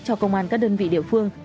cho công an các đơn vị địa phương